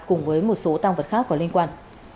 cùng với một số tăng vật khác có liên quan